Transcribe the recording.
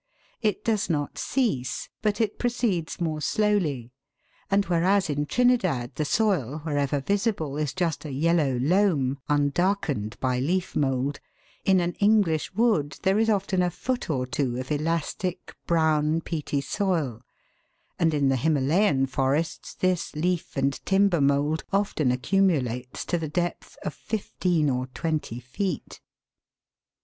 It does not cease, but it proceeds more slowly ; and whereas in Trinidad the soil, wherever visible, is just a yellow loam, undarkened by leaf mould, in an English wood there is often a foot or two of elastic brown, peaty soil, and in the Himalayan forests this leaf and timber mould often accumulates to the depth of fifteen or twenty feet.